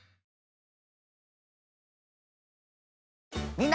みんな！